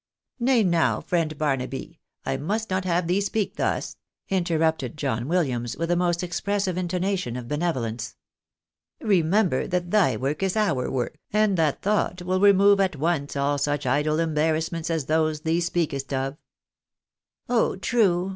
"" Nay, now, friend Barnaby, I must not have thee speak thus," interrupted J ohn Williams, with the most expressive intonation of benevolence. " Remember that thy work is our work, and that thought will remove at once all such idle embarrassments as those thee speakest of." " Oh true